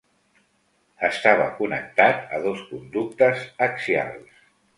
Estava connectat a dos conductes axials.